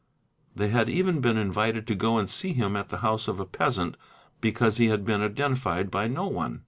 They had even been invited to go and see him at the house of a peasant, because he had been identified by no one.